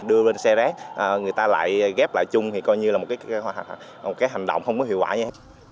đưa lên xe rác người ta lại ghép lại chung thì coi như là một cái hành động không có hiệu quả nhé